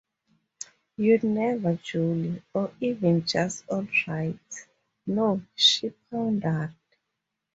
“You’re never jolly, or even just all right.” “No,” she pondered.